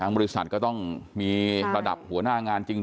บริษัทก็ต้องมีระดับหัวหน้างานจริง